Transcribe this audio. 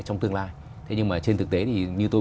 trong tương lai thế nhưng mà trên thực tế thì như tôi